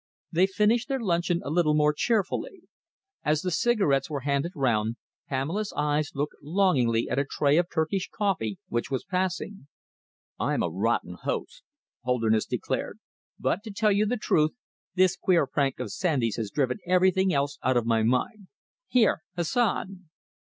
They finished their luncheon a little more cheerfully. As the cigarettes were handed round, Pamela's eyes looked longingly at a tray of Turkish coffee which was passing. "I'm a rotten host," Holderness declared, "but, to tell you the truth, this queer prank of Sandy's has driven everything else out of my mind. Here, Hassan!"